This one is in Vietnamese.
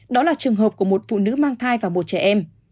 đó là trường hợp của một phụ nữ mang thai và một trẻ em